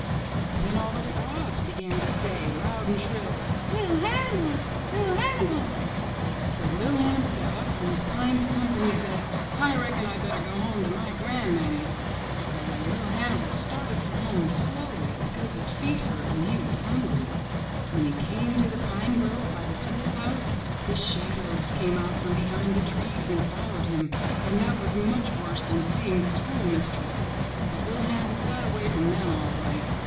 Then all the frogs began to say, loud and shrill, *'Li'r Hannibal! UT Hannibal!" So Li'r Hannibal got up from his pine stump and he said, *'I reckon I better go home to my gran'mammy." Well, Li'r Hannibal started for home, slowly, because his feet hurt and he was hungry. When he came to 143 M Y BOOK HOUSE the pine grove by the schoolhouse the shadows came out from behind the trees and followed him, and that was much worse than seeing the schoolmistress. But Li'r Hannibal got away from them all right.